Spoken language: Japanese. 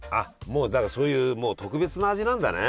もうだからそういう特別な味なんだね。